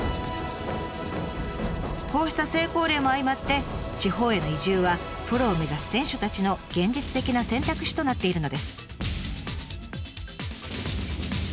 こうした成功例も相まって地方への移住はプロを目指す選手たちの現実的な選択肢となっているのです。